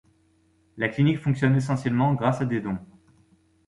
La clinique fonctionne essentiellement grâce à des dons.